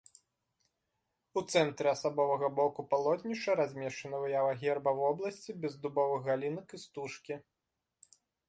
У цэнтры асабовага боку палотнішча размешчана выява герба вобласці без дубовых галінак і стужкі.